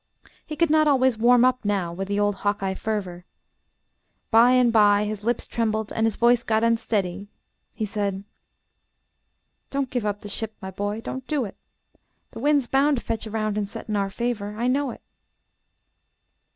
He could not always warm up, now, with the old Hawkeye fervor. By and by his lips trembled and his voice got unsteady. He said: "Don't give up the ship, my boy don't do it. The wind's bound to fetch around and set in our favor. I know it."